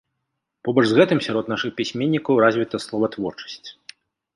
Побач з гэтым сярод нашых пісьменнікаў развіта словатворчасць.